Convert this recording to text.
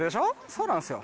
そうなんすよ。